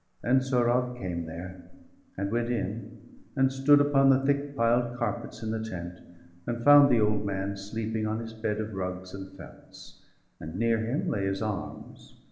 And Sohrab came there, and went in, and stood Upon the thick piled carpets in the tent, 25 And found the old man sleeping on his bed Of rugs and felts, and near him lay his arms.